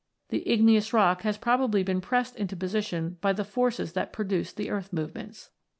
The igneous rock has probably been pressed into position by the forces that produced the earth movements.